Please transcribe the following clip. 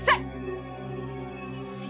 sialan kau amir